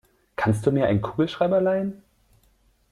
Kannst du mir einen Kugelschreiber leihen?